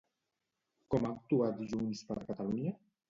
Com ha actuat JxCat?